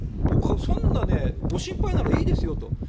そんなご心配ならいいですよと。